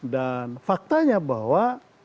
dan faktanya bahwa